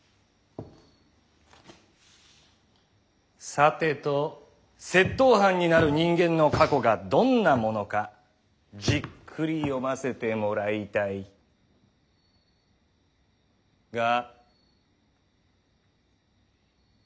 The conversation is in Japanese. さてと窃盗犯になる人間の過去がどんなものかじっくり読ませてもらいたいが。